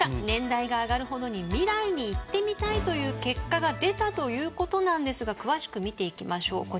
年代が上がるほどに未来に行ってみたいという結果が出たということなんですが詳しく見ていきましょう。